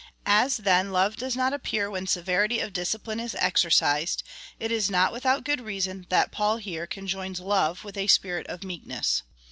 As then love does not appear when severity of discipline is exercised, it is not without good reason, that Paul here conjoins love with a spirit of meekness.